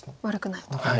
悪くないと。